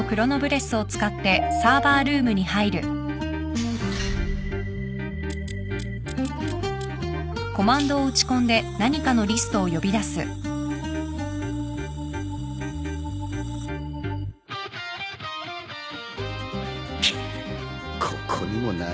くっここにもないのか。